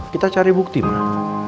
kita cari bukti mah